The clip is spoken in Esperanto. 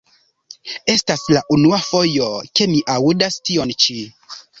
Estas la unua fojo ke mi aŭdas tion ĉi.